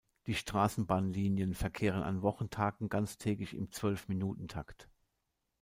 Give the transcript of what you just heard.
Die Straßenbahnlinien verkehren an Wochentagen ganztägig im Zwölf-Minuten-Takt.